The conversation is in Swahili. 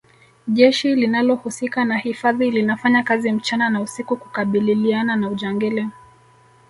jeshi linalohusika na hifadhi linafanya kazi mchana na usiku kukabililiana na ujangili